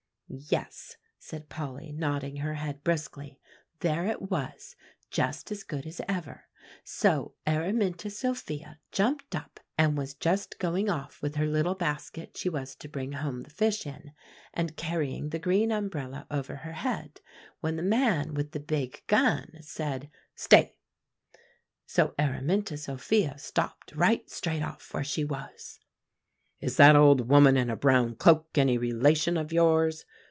"Yes," said Polly, nodding her head briskly; "there it was, just as good as ever. So Araminta Sophia jumped up, and was just going off with her little basket she was to bring home the fish in, and carrying the green umbrella over her head, when the man with the big gun said, 'Stay!' so Araminta Sophia stopped right straight off where she was. "'Is that old woman in a brown cloak any relation of yours?